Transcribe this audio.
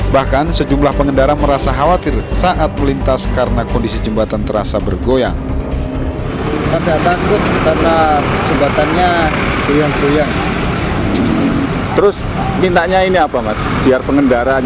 bahkan sejumlah pengendara merasa khawatir saat melintas karena kondisi jembatan terasa bergoyang